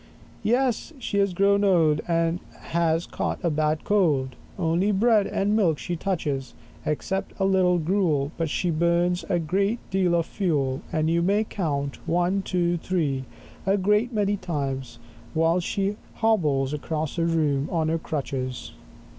18 Yes, she has grown old, And has caught a bad cold, Only bread and milk she touches, Except a little gruel, but she burns a great deal of fuel, and you may count, ONE, TWO, THREE, a great many times, while she hobbles across the room on her crutches.